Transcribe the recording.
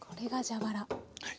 はい。